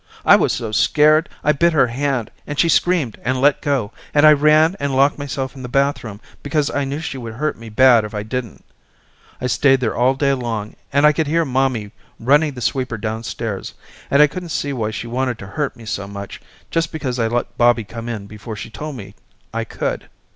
I was so scared I bit her hand and she screamed and let go and I ran and locked myself in the bathroom because I knew she would hurt me bad if I didn't. I stayed there all day long and I could hear mommy running the sweeper downstairs and I couldn't see why she wanted to hurt me so much just because I let Bobby come in before she told me I could.